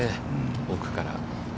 奥から。